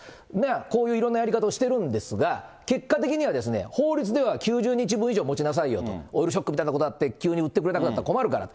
こういういろんなやり方をしているんですが、結果的には法律では９０日分以上持ちなさいよと、オイルショックみたいなことあって、急に売ってくれなくなったら困るから。